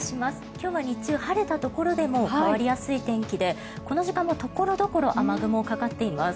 今日は日中晴れたところでも変わりやすい天気でこの時間も所々、雨雲がかかっています。